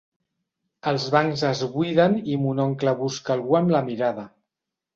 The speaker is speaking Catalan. Els bancs es buiden i mon oncle busca algú amb la mirada.